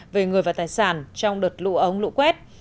về người và tài sản trong đợt lũ ống lũ quét